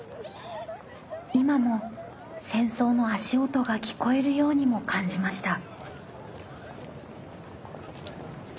今も戦争の足音が聴こえるようにも感じました。